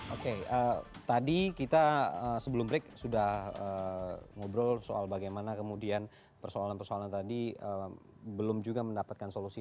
oke tadi kita sebelum break sudah ngobrol soal bagaimana kemudian persoalan persoalan tadi belum juga mendapatkan solusi